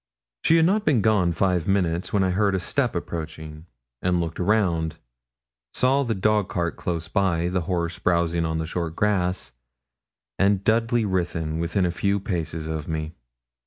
She had not been gone five minutes, when I heard a step approaching, and looking round, saw the dog cart close by, the horse browsing on the short grass, and Dudley Ruthyn within a few paces of me.